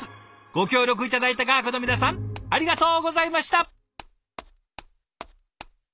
ご協力頂いた画伯の皆さんありがとうございました。